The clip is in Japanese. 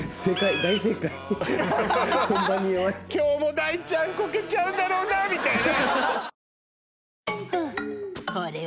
今日も大ちゃんこけちゃうんだろうなみたいな。